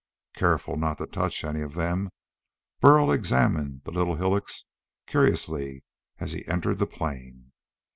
Careful not to touch any of them, Burl examined the hillocks curiously as he entered the plain.